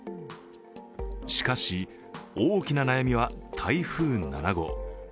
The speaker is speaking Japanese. しかし、大きな悩みは台風７号。